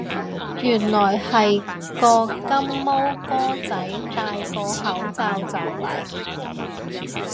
原來係個金毛哥仔戴個口罩就嚟